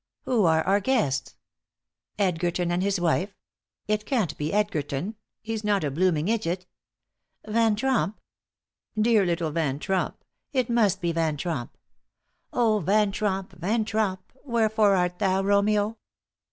"Who are our guests? Edgerton and his wife. It can't be Edgerton. He's not a blooming idjit. Van Tromp? Dear little Van Tromp! It must be Van Tromp. Oh, Van Tromp, Van Tromp, wherefore art thou, Romeo?